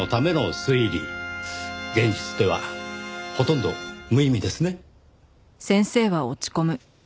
現実ではほとんど無意味ですね。